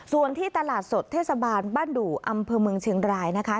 ส่วนที่ตลาดสดเทศบาลบ้านดู่อำเภอเมืองเชียงรายนะคะ